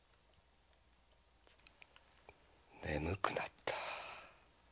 眠くなった。